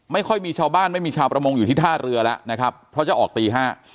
ไม่ค่อยมีชาวบ้านไม่มีชาวประมงอยู่ที่ท่าเรือแล้วนะครับเพราะจะออกตีห้า